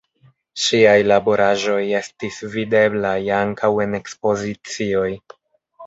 Ŝiaj laboraĵoj estis videblaj ankaŭ en ekspozicioj.